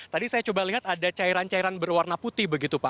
tadi saya coba lihat ada cairan cairan berwarna putih begitu pak